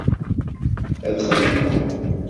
Ad xedmeɣ.